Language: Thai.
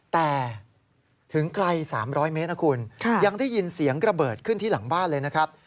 แต่ถึงไกล๓๐๐เมตรนะคุณยังได้ยินเสียงระเบิดขึ้นที่หลังบ้านเลยนะครับ